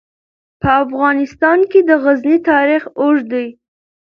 په افغانستان کې د غزني تاریخ اوږد دی.